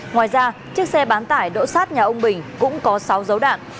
ngoài ra chiếc xe bán tải đỗ sát nhà ông bình cũng có sáu dấu đạn